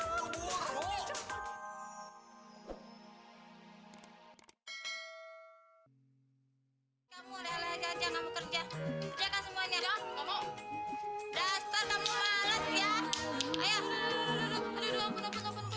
hai kamu ada lagi aja kamu kerja kerjakan semuanya ya kamu dasar kamu malas ya ayo